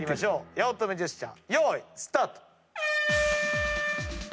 八乙女ジェスチャーよーいスタート！